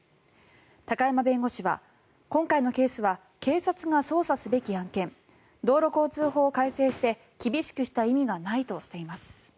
高山弁護士は、今回のケースは警察が捜査すべき案件道路交通法を改正して厳しくした意味がないとしています。